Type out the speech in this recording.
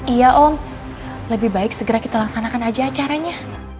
iya om lebih baik segera kita laksanakan aja acaranya